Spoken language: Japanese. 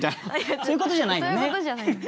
そういうことじゃない。